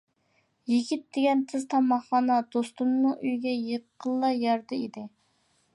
يىگىت دېگەن تېز تاماقخانا دوستۇمنىڭ ئۆيىگە يېقىنلا يەردە ئىدى.